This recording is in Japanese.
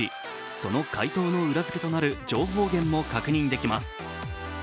その回答の裏付けとなる情報源も確認できます。